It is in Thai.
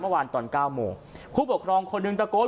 เมื่อวานตอน๙โมงคู่ปกครองคนหนึ่งตะโก๊ด